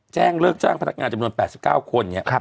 แจ้งเลิกจ้างพนักงานจำนวน๘๙คน